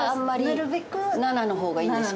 なるべく７の方がいいです。